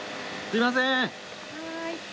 すいません。